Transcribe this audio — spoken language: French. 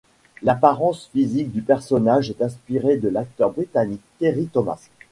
L'apparence physique du personnage est inspiré de l'acteur britannique Terry-Thomas.